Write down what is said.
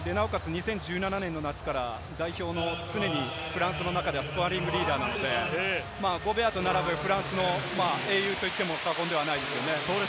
２０１７年の末から代表も常にフランスの中ではスコアリングリーダーなので、ゴベアと並ぶフランスの英雄と言っても過言ではないですね。